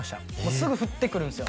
すぐ振ってくるんすよ